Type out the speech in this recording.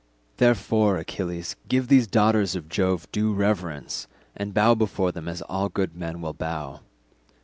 Therefore, Achilles, give these daughters of Jove due reverence, and bow before them as all good men will bow.